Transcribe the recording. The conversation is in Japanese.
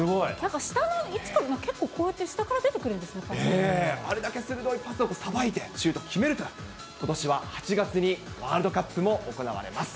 下の位置から、結構こうやっあれだけ鋭いパスをさばいて、シュート決めると、ことしは８月にワールドカップも行われます。